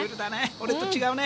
俺と違うね。